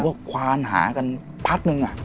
ผมก็ควานหากันพักหนึ่งอ่ะ